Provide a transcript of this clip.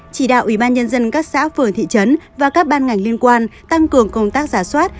chỉ đạo ủy ban nhân dân các xã phường thị trấn và các ban ngành liên quan tăng cường công tác giả soát